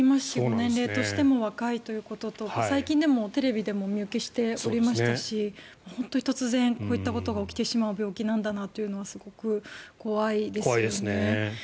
年齢としても若いということと最近でもテレビでお見受けしていましたし本当に突然こういったことが起きてしまう病気なんだなということはすごく怖いですよね。